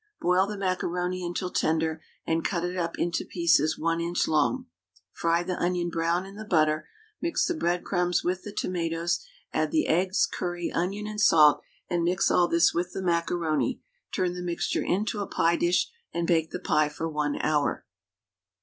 Boil the macaroni until tender, and cut it up into pieces 1 inch long; fry the onion brown in the butter, mix the breadcrumbs with the tomatoes, add the eggs, curry, onion and salt, and mix all this with the macaroni; turn the mixture into a pie dish, and bake the pie for 1 hour.